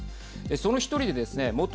その１人でですね